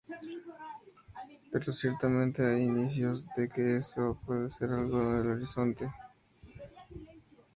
Pero ciertamente hay indicios de que eso puede ser algo en el horizonte.